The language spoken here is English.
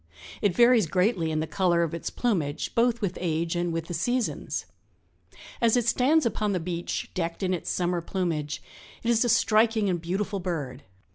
It varies greatly in the color of its plumage, both with age and with the seasons. As it stands upon the beach, decked in its summer plumage, it is a striking and beautiful bird.